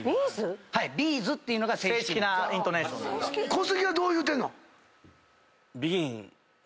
小杉はどう言うてんの？